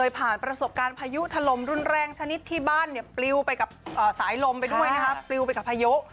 ปลิ้วไปกับสายลมไปด้วยนะครับปลิ้วไปกับพายุ